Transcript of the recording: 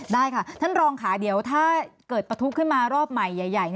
ได้ค่ะท่านรองค่ะเดี๋ยวถ้าเกิดประทุขึ้นมารอบใหม่ใหญ่